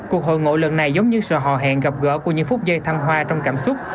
cuộc hội ngộ lần này giống như sự hò hẹn gặp gỡ của những phút giây thăng hoa trong cảm xúc